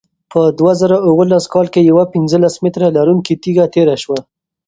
په دوه زره اوولس کال کې یوه پنځلس متره لرونکې تیږه تېره شوه.